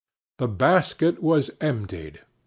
The basket was emptied.